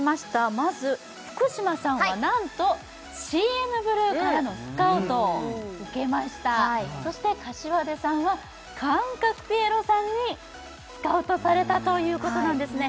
まず福嶌さんはなんとＣＮＢＬＵＥからのスカウトを受けましたそして膳さんは感覚ピエロさんにスカウトされたということなんですね